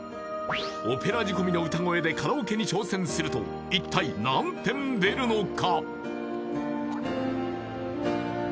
オペラ仕込みの歌声でカラオケに挑戦すると一体何点でるのか？